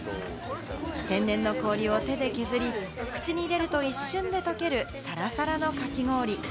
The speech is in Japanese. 天然の氷を手で削り、口に入れると一瞬で溶けるサラサラのかき氷。